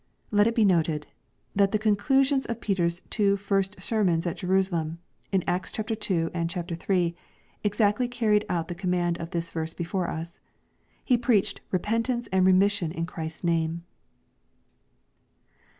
Let it be noted, that the conclusions of Peter's two first ser mons at Jerusalem, in Acts ii. and iii., exactly carried out the command of the verse before us. He preached " repentance and remission in Christ's name."